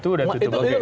itu sudah tutup